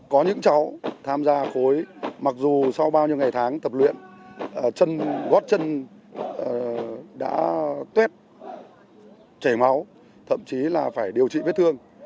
có những cháu tham gia khối mặc dù sau bao nhiêu ngày tháng tập luyện chân gót chân đã tuyết chảy máu thậm chí là phải điều trị vết thương